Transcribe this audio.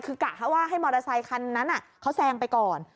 คือกะเขาว่าให้มอเตอร์ไซคันนั้นเขาแซงไปก่อน